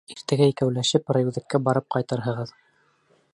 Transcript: — Иртәгә икәүләшеп райүҙәккә барып ҡайтырһығыҙ.